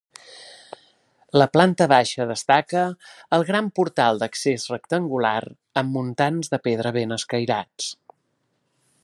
La planta baixa destaca el gran portal d’accés rectangular amb muntants de pedra ben escairats.